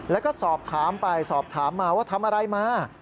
แล้วก็สอบถามไปสอบถามมาว่าทำอะไรมา